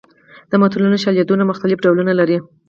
د متلونو شالیدونه مختلف ډولونه لري